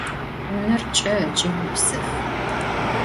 Vuner ç'e ıç'i gupsef.